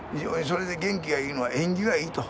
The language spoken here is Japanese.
それで元気がいいのは縁起がいいと。